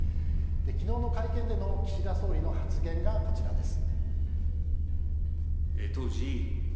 昨日の会見での岸田総理の発言がこちらです。